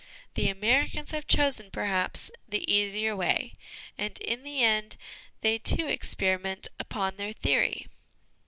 The Americans have chosen, perhaps, the easier way, and in the end, they too experiment upon their theory.